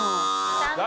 残念。